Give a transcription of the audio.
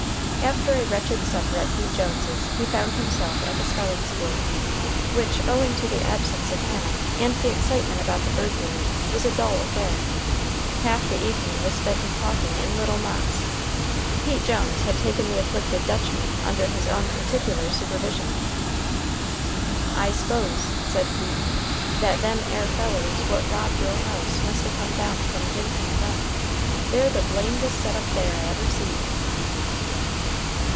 After a wretched supper at Pete Jones's he found himself at the spelling school, which, owing to the absence of Hannah, and the excitement about the burglary, was a dull affair. Half the evening was spent in talking in little knots. Pete Jones had taken the afflicted "Dutchman" under his own particular supervision. "I s'pose," said Pete, "that them air fellers what robbed your house must a come down from Jinkins Run. They're the blamedest set up there I ever see."